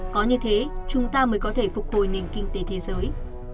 có như thế chúng ta mới có thể phục hồi nền kinh tế thế giới